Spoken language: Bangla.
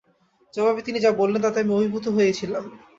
জবাবে তিনি যা বললেন তাতে আমি অভিভূত হয়েছিলাম।